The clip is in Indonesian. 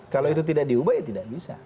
kalau itu tidak diubah ya tidak bisa